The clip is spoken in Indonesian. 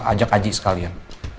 ajak aji sekalian